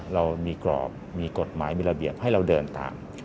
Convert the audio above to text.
เรามีกรอบมีกฎหมายมีระเบียบให้เราเดินตาม